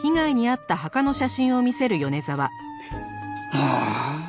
ああ！